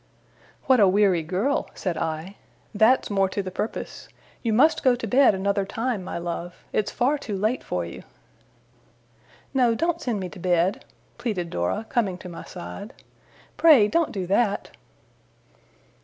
'What a weary girl!' said I. 'That's more to the purpose. You must go to bed another time, my love. It's far too late for you.' 'No, don't send me to bed!' pleaded Dora, coming to my side. 'Pray, don't do that!